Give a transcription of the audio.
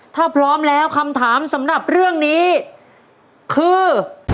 ถ้าพร้อมแล้วคำถามสำหรับเรื่องนี้คือ